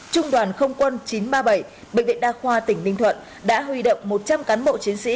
trung đoàn không quân chín trăm ba mươi bảy bệnh viện đa khoa tỉnh ninh thuận đã huy động một trăm linh cán bộ chiến sĩ